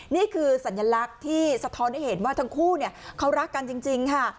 นี่คือสัญลักษณ์ที่สะท้อนให้เห็นว่าทั้งคู่เขารักกันจริงค่ะ